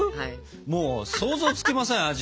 もう想像つきません味の。